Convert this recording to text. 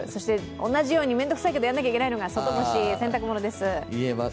同じように面倒くさいけどやらなきゃいけないのは外干し、洗濯物です。